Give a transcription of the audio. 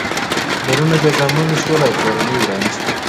پلرونه بې زامنو شول او کورنۍ ورانې شوې.